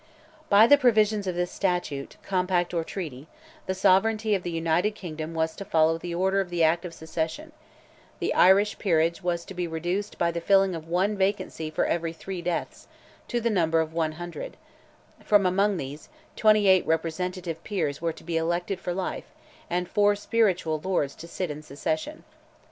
By the provisions of this statute, compact, or treaty, the Sovereignty of the United Kingdom was to follow the order of the Act of Succession; the Irish peerage was to be reduced by the filling of one vacancy for every three deaths, to the number of one hundred; from among these, twenty eight representative Peers were to be elected for life, and four spiritual Lords to sit in succession.